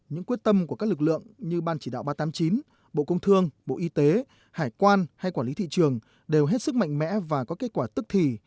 như ban chỉ đạo ba trăm tám mươi chín bộ công thương bộ y tế hải quan hay quản lý thị trường đều hết sức mạnh mẽ và có kết quả tức thì